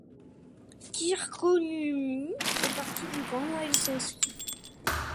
Kirkkonummi fait partie du Grand Helsinki.